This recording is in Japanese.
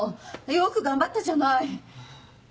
よく頑張ったじゃない。